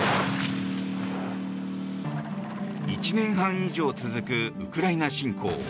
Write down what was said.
１年半以上続くウクライナ侵攻。